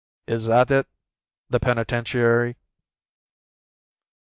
"Is that it, the penitentiary?"